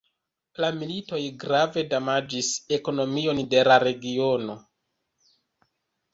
La militoj grave damaĝis ekonomion de la regiono.